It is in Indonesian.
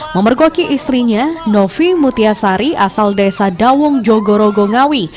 memergoki istrinya novi mutiasari asal desa dawung jogorogo ngawi